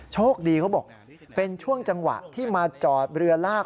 โชคดีเขาบอกเป็นช่วงจังหวะที่มาจอดเรือลาก